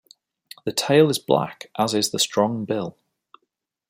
The tail is black, as is the strong bill.